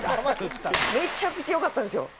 めちゃくちゃ良かったんですよ！